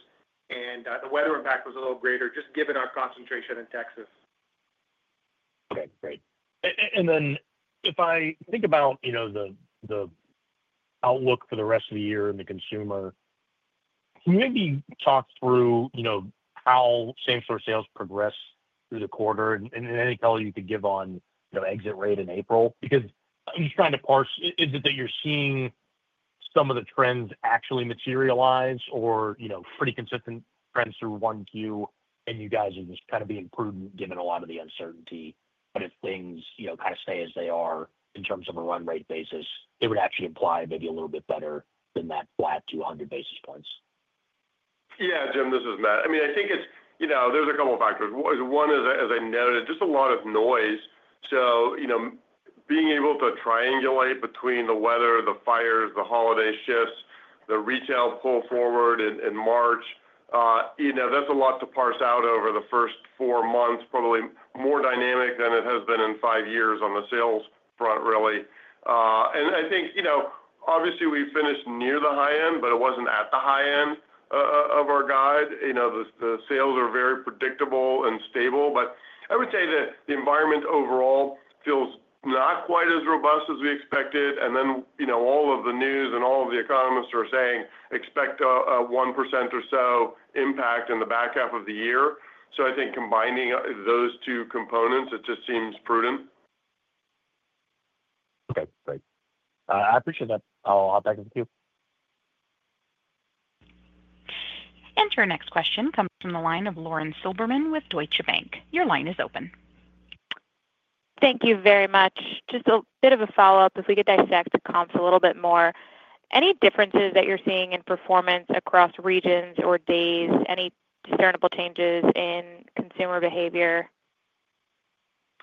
The weather impact was a little greater just given our concentration in Texas. Okay, great. If I think about the outlook for the rest of the year and the consumer, can you maybe talk through how same-store sales progress through the quarter? Any color you could give on exit rate in April? I am just trying to parse. Is it that you are seeing some of the trends actually materialize or pretty consistent trends through Q1 and you guys are just kind of being prudent given a lot of the uncertainty? If things kind of stay as they are in terms of a run rate basis, it would actually imply maybe a little bit better than that flat 200 basis points. Yeah, Jim, this is Matt. I mean, I think there's a couple of factors. One is, as I noted, just a lot of noise. Being able to triangulate between the weather, the fires, the holiday shifts, the retail pull forward in March, that's a lot to parse out over the first four months, probably more dynamic than it has been in five years on the sales front, really. I think obviously we finished near the high end, but it wasn't at the high end of our guide. The sales are very predictable and stable. I would say that the environment overall feels not quite as robust as we expected. All of the news and all of the economists are saying expect a 1% or so impact in the back half of the year. I think combining those two components, it just seems prudent. Okay, great. I appreciate that. I'll back up with you. Your next question comes from the line of Lauren Silberman with Deutsche Bank. Your line is open. Thank you very much. Just a bit of a follow-up. If we could dissect the comps a little bit more, any differences that you're seeing in performance across regions or days? Any discernible changes in consumer behavior?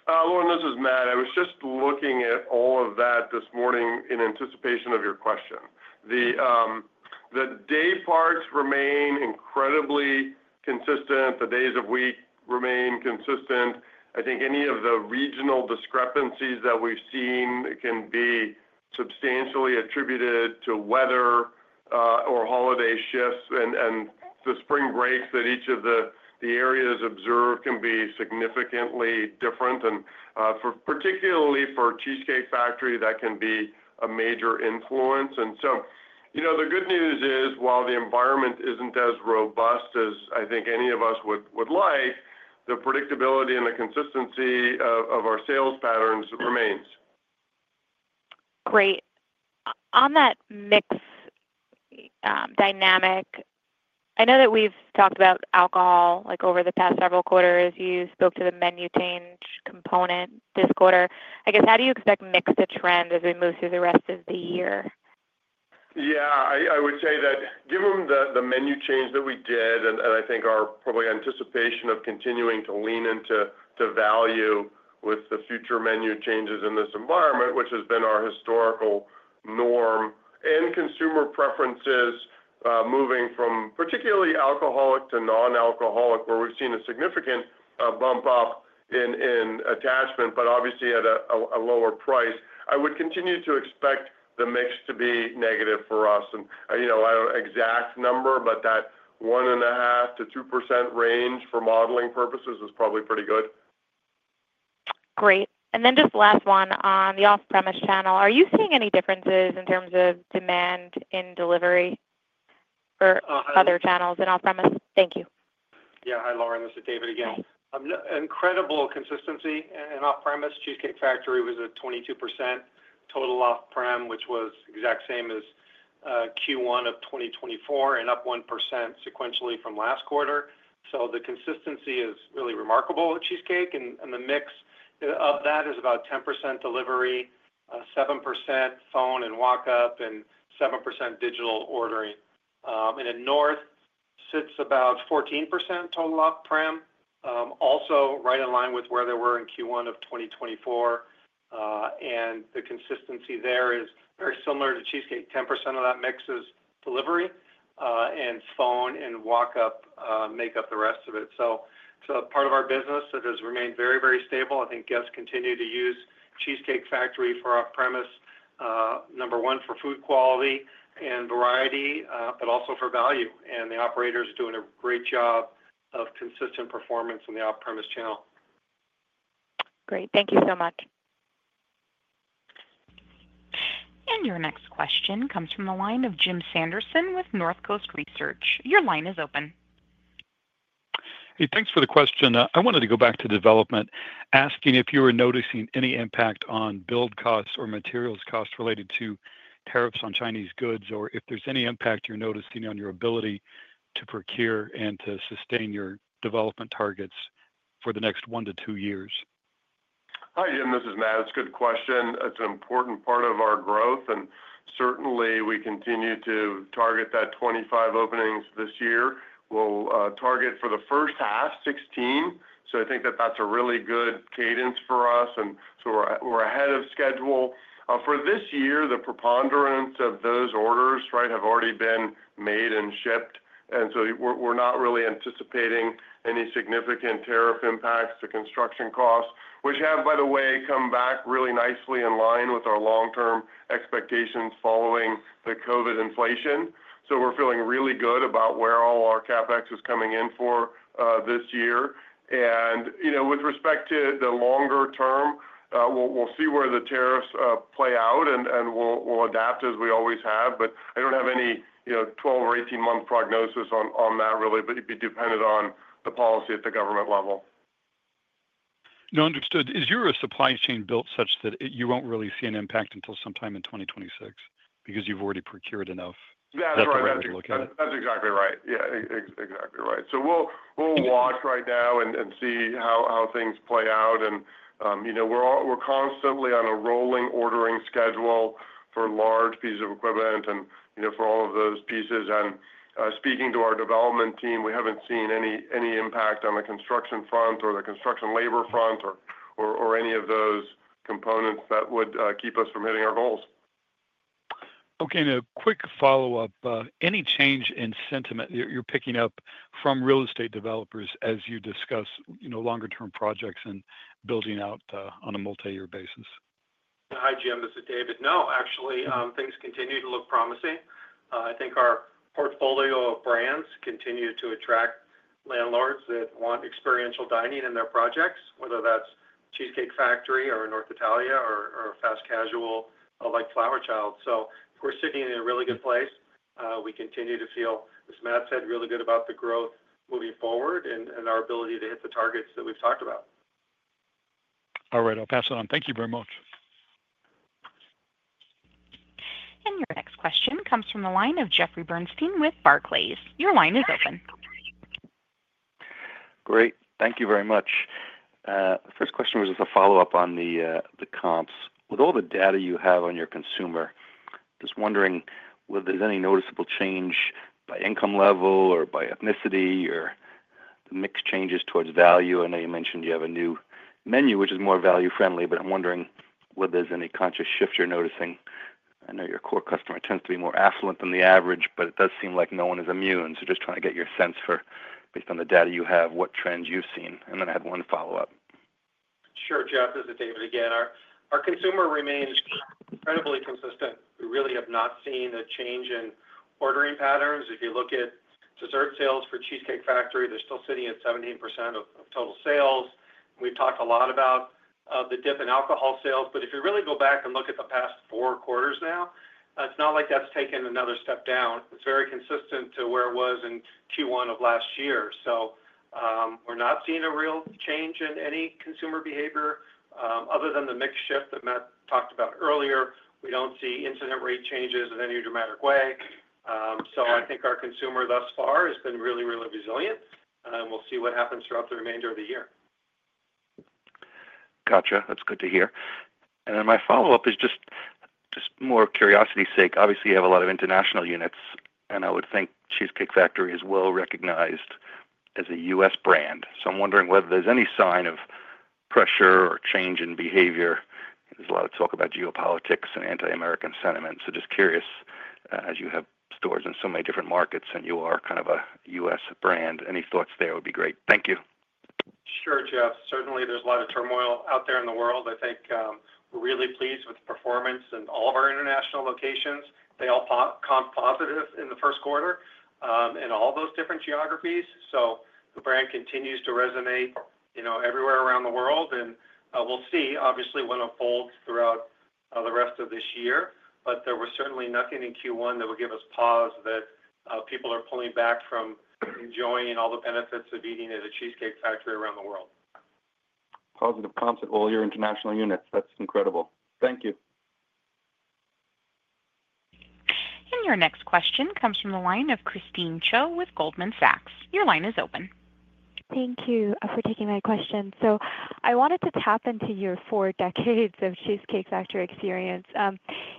Lauren, this is Matt. I was just looking at all of that this morning in anticipation of your question. The day parts remain incredibly consistent. The days of week remain consistent. I think any of the regional discrepancies that we've seen can be substantially attributed to weather or holiday shifts. The spring breaks that each of the areas observe can be significantly different. Particularly for Cheesecake Factory, that can be a major influence. The good news is, while the environment isn't as robust as I think any of us would like, the predictability and the consistency of our sales patterns remains. Great. On that mix dynamic, I know that we've talked about alcohol over the past several quarters. You spoke to the menu change component this quarter. I guess, how do you expect mix to trend as we move through the rest of the year? Yeah, I would say that given the menu change that we did and I think our probably anticipation of continuing to lean into value with the future menu changes in this environment, which has been our historical norm and consumer preferences moving from particularly alcoholic to non-alcoholic, where we've seen a significant bump up in attachment, but obviously at a lower price, I would continue to expect the mix to be negative for us. I don't know exact number, but that 1.5-2% range for modeling purposes is probably pretty good. Great. Just the last one on the off-premise channel. Are you seeing any differences in terms of demand in delivery or other channels than off-premise? Thank you. Yeah, hi Lauren. This is David again. Incredible consistency in off-premise. Cheesecake Factory was a 22% total off-prem, which was exact same as Q1 of 2024 and up 1% sequentially from last quarter. The consistency is really remarkable at Cheesecake. The mix of that is about 10% delivery, 7% phone and walk-up, and 7% digital ordering. At North, sits about 14% total off-prem, also right in line with where they were in Q1 of 2024. The consistency there is very similar to Cheesecake. 10% of that mix is delivery and phone and walk-up make up the rest of it. It is a part of our business that has remained very, very stable. I think guests continue to use Cheesecake Factory for off-premise, number one for food quality and variety, but also for value. The operators are doing a great job of consistent performance in the off-premise channel. Great. Thank you so much. Your next question comes from the line of Jim Sanderson with Northcoast Research. Your line is open. Hey, thanks for the question. I wanted to go back to development, asking if you were noticing any impact on build costs or materials costs related to tariffs on Chinese goods, or if there's any impact you're noticing on your ability to procure and to sustain your development targets for the next one to two years. Hi, Jim, this is Matt. It's a good question. It's an important part of our growth. Certainly, we continue to target that 25 openings this year. We'll target for the first half, 16. I think that that's a really good cadence for us. We're ahead of schedule. For this year, the preponderance of those orders, right, have already been made and shipped. We're not really anticipating any significant tariff impacts to construction costs, which have, by the way, come back really nicely in line with our long-term expectations following the COVID inflation. We're feeling really good about where all our CapEx is coming in for this year. With respect to the longer term, we'll see where the tariffs play out and we'll adapt as we always have. I don't have any 12 or 18-month prognosis on that, really, but it'd be dependent on the policy at the government level. No, understood. Is your supply chain built such that you won't really see an impact until sometime in 2026 because you've already procured enough? That's exactly right. Yeah, exactly right. We'll watch right now and see how things play out. We're constantly on a rolling ordering schedule for large pieces of equipment and for all of those pieces. Speaking to our development team, we haven't seen any impact on the construction front or the construction labor front or any of those components that would keep us from hitting our goals. Okay, now a quick follow-up. Any change in sentiment you're picking up from real estate developers as you discuss longer-term projects and building out on a multi-year basis? Hi, Jim, this is David. No, actually, things continue to look promising. I think our portfolio of brands continue to attract landlords that want experiential dining in their projects, whether that's Cheesecake Factory or North Italia or fast casual like Flower Child. We are sitting in a really good place. We continue to feel, as Matt said, really good about the growth moving forward and our ability to hit the targets that we've talked about. All right, I'll pass it on. Thank you very much. Your next question comes from the line of Jeffrey Bernstein with Barclays. Your line is open. Great. Thank you very much. The first question was just a follow-up on the comps. With all the data you have on your consumer, just wondering whether there's any noticeable change by income level or by ethnicity or the mix changes towards value. I know you mentioned you have a new menu, which is more value-friendly, but I'm wondering whether there's any conscious shift you're noticing. I know your core customer tends to be more affluent than the average, but it does seem like no one is immune. Just trying to get your sense for, based on the data you have, what trends you've seen. I had one follow-up. Sure, Jeff, this is David again. Our consumer remains incredibly consistent. We really have not seen a change in ordering patterns. If you look at dessert sales for Cheesecake Factory, they're still sitting at 17% of total sales. We've talked a lot about the dip in alcohol sales. If you really go back and look at the past four quarters now, it's not like that's taken another step down. It's very consistent to where it was in Q1 of last year. We are not seeing a real change in any consumer behavior. Other than the mix shift that Matt talked about earlier, we do not see incident rate changes in any dramatic way. I think our consumer thus far has been really, really resilient. We will see what happens throughout the remainder of the year. Gotcha. That's good to hear. My follow-up is just more curiosity's sake. Obviously, you have a lot of international units, and I would think Cheesecake Factory is well recognized as a U.S. brand. I'm wondering whether there's any sign of pressure or change in behavior. There's a lot of talk about geopolitics and anti-American sentiment. Just curious, as you have stores in so many different markets and you are kind of a U.S. brand, any thoughts there would be great. Thank you. Sure, Jeff. Certainly, there's a lot of turmoil out there in the world. I think we're really pleased with the performance in all of our international locations. They all comped positive in the Q1 in all those different geographies. The brand continues to resonate everywhere around the world. We will see, obviously, what unfolds throughout the rest of this year. There was certainly nothing in Q1 that would give us pause that people are pulling back from enjoying all the benefits of eating at a Cheesecake Factory around the world. Positive comps at all your international units. That's incredible. Thank you. Your next question comes from the line of Christine Cho with Goldman Sachs. Your line is open. Thank you for taking my question. I wanted to tap into your four decades of Cheesecake Factory experience.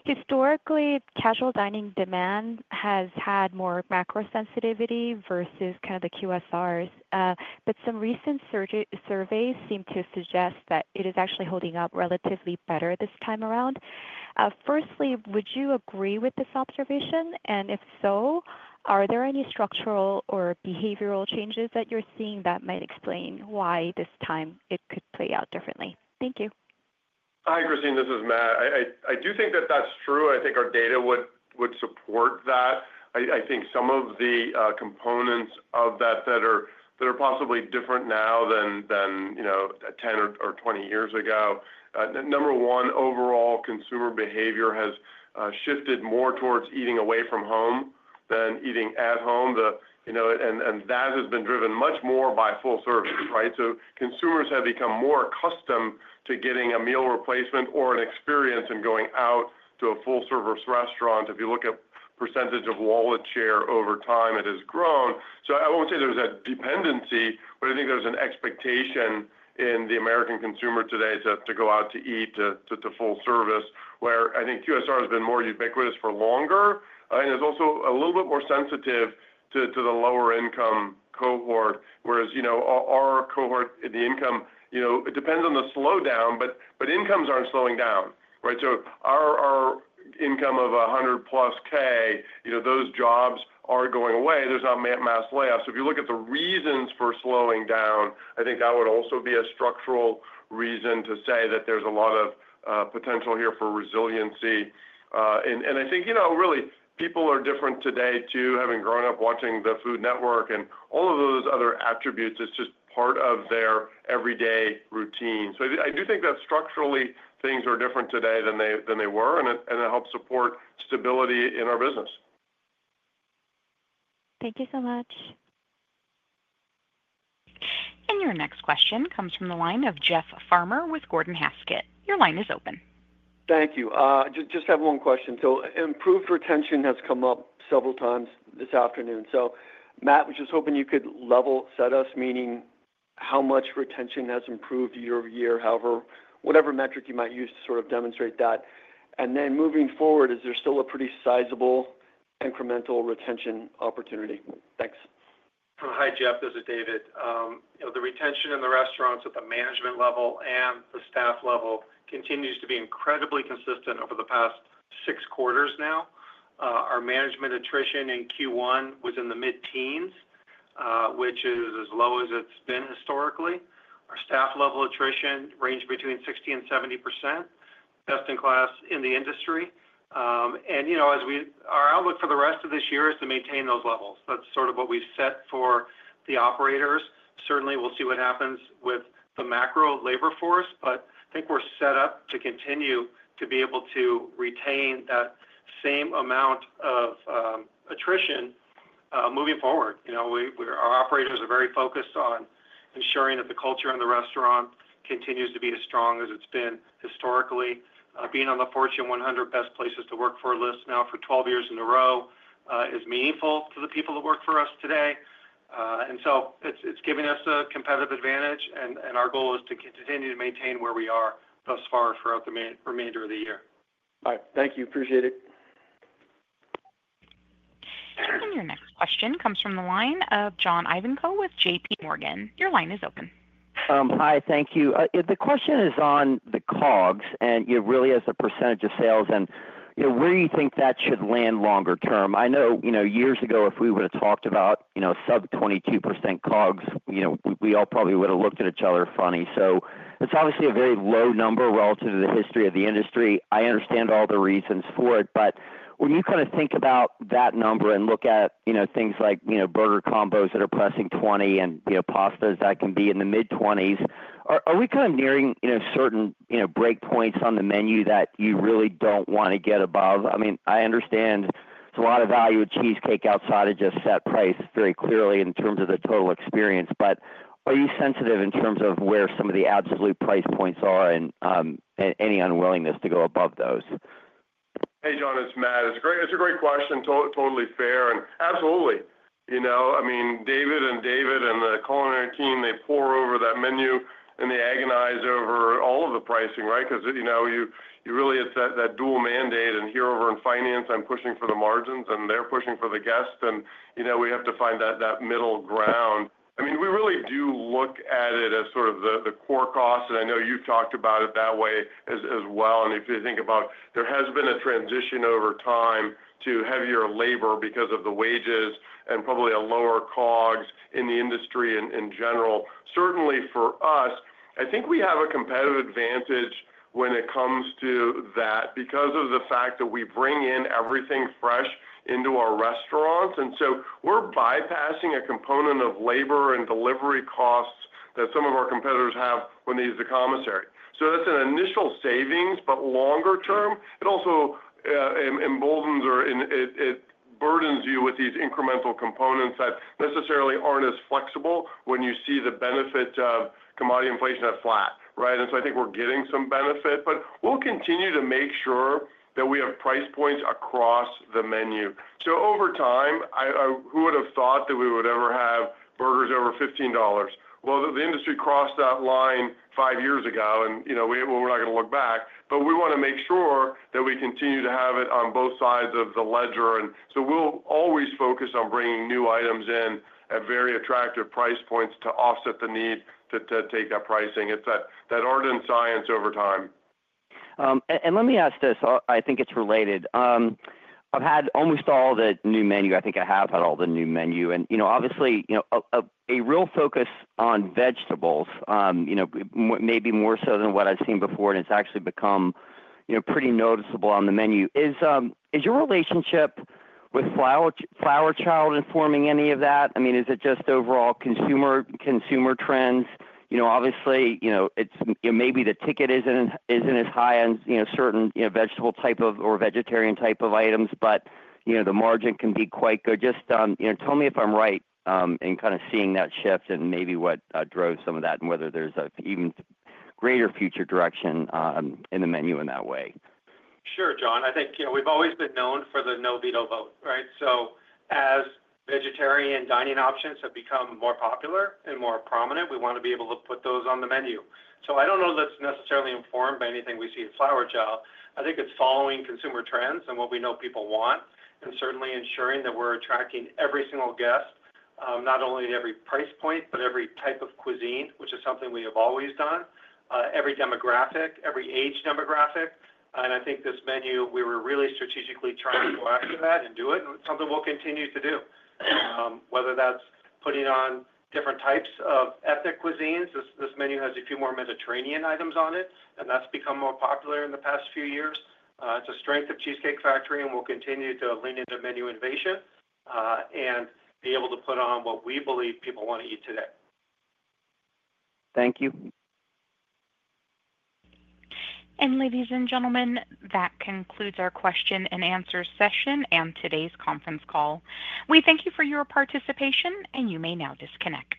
Historically, casual dining demand has had more macro sensitivity versus kind of the QSRs. Some recent surveys seem to suggest that it is actually holding up relatively better this time around. Firstly, would you agree with this observation? If so, are there any structural or behavioral changes that you're seeing that might explain why this time it could play out differently? Thank you. Hi, Christine. This is Matt. I do think that that's true. I think our data would support that. I think some of the components of that that are possibly different now than 10 or 20 years ago. Number one, overall consumer behavior has shifted more towards eating away from home than eating at home. That has been driven much more by full service, right? Consumers have become more accustomed to getting a meal replacement or an experience and going out to a full-service restaurant. If you look at the percentage of wallet share over time, it has grown. I will not say there's a dependency, but I think there's an expectation in the American consumer today to go out to eat to full service, where I think QSR has been more ubiquitous for longer. It is also a little bit more sensitive to the lower-income cohort, whereas our cohort, the income, it depends on the slowdown, but incomes are not slowing down, right? Our income of $100,000-plus, those jobs are not going away. There are not mass layoffs. If you look at the reasons for slowing down, I think that would also be a structural reason to say that there is a lot of potential here for resiliency. I think really people are different today too, having grown up watching the Food Network and all of those other attributes. It is just part of their everyday routine. I do think that structurally things are different today than they were, and it helps support stability in our business. Thank you so much. Your next question comes from the line of Jeff Farmer with Gordon Haskett. Your line is open. Thank you. Just have one question. Improved retention has come up several times this afternoon. Matt, we're just hoping you could level set us, meaning how much retention has improved year over year, however, whatever metric you might use to sort of demonstrate that. Moving forward, is there still a pretty sizable incremental retention opportunity? Thanks. Hi, Jeff. This is David. The retention in the restaurants at the management level and the staff level continues to be incredibly consistent over the past six quarters now. Our management attrition in Q1 was in the mid-teens, which is as low as it's been historically. Our staff-level attrition ranged between 60 to 70%, best in class in the industry. Our outlook for the rest of this year is to maintain those levels. That is sort of what we've set for the operators. Certainly, we'll see what happens with the macro labor force, but I think we're set up to continue to be able to retain that same amount of attrition moving forward. Our operators are very focused on ensuring that the culture in the restaurant continues to be as strong as it's been historically. Being on the Fortune 100 Best Companies to Work For list now for 12 years in a row is meaningful to the people that work for us today. It is giving us a competitive advantage. Our goal is to continue to maintain where we are thus far throughout the remainder of the year. All right. Thank you. Appreciate it. Your next question comes from the line of John Ivankoe with JPMorgan. Your line is open. Hi, thank you. The question is on the COGS and really as a percentage of sales. Where do you think that should land longer term? I know years ago, if we would have talked about sub-22% COGS, we all probably would have looked at each other funny. It is obviously a very low number relative to the history of the industry. I understand all the reasons for it. When you kind of think about that number and look at things like burger combos that are pressing 20% and pastas that can be in the mid-20%, are we kind of nearing certain break points on the menu that you really do not want to get above? I mean, I understand there is a lot of value with cheesecake outside of just set price very clearly in terms of the total experience. Are you sensitive in terms of where some of the absolute price points are and any unwillingness to go above those? Hey, John, it's Matt. It's a great question. Totally fair. Absolutely. I mean, David and David and the culinary team, they pour over that menu and they agonize over all of the pricing, right? Because you really have that dual mandate. Here over in finance, I'm pushing for the margins and they're pushing for the guests. We have to find that middle ground. I mean, we really do look at it as sort of the core costs. I know you've talked about it that way as well. If you think about it, there has been a transition over time to heavier labor because of the wages and probably a lower COGS in the industry in general. Certainly, for us, I think we have a competitive advantage when it comes to that because of the fact that we bring in everything fresh into our restaurants. We're bypassing a component of labor and delivery costs that some of our competitors have when they use the commissary. That's an initial savings, but longer term, it also emboldens or it burdens you with these incremental components that necessarily aren't as flexible when you see the benefit of commodity inflation at flat, right? I think we're getting some benefit. We'll continue to make sure that we have price points across the menu. Over time, who would have thought that we would ever have burgers over $15? The industry crossed that line five years ago, and we're not going to look back. We want to make sure that we continue to have it on both sides of the ledger. We will always focus on bringing new items in at very attractive price points to offset the need to take that pricing. It is that art and science over time. Let me ask this. I think it's related. I've had almost all the new menu. I think I have had all the new menu. Obviously, a real focus on vegetables, maybe more so than what I've seen before, and it's actually become pretty noticeable on the menu. Is your relationship with Flower Child informing any of that? I mean, is it just overall consumer trends? Obviously, maybe the ticket isn't as high as certain vegetable type of or vegetarian type of items, but the margin can be quite good. Just tell me if I'm right in kind of seeing that shift and maybe what drove some of that and whether there's an even greater future direction in the menu in that way. Sure, John. I think we've always been known for the no-veto vote, right? As vegetarian dining options have become more popular and more prominent, we want to be able to put those on the menu. I don't know that's necessarily informed by anything we see at Flower Child. I think it's following consumer trends and what we know people want, and certainly ensuring that we're attracting every single guest, not only every price point, but every type of cuisine, which is something we have always done, every demographic, every age demographic. I think this menu, we were really strategically trying to go after that and do it, and it's something we'll continue to do. Whether that's putting on different types of ethnic cuisines, this menu has a few more Mediterranean items on it, and that's become more popular in the past few years. It's a strength of Cheesecake Factory, and we'll continue to lean into menu innovation and be able to put on what we believe people want to eat today. Thank you. Ladies and gentlemen, that concludes our question and answer session and today's conference call. We thank you for your participation, and you may now disconnect.